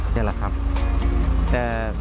เท่าไรครับ